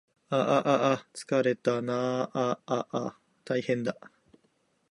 ああああつかれたなああああたいへんだ